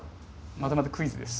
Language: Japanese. またまたクイズです。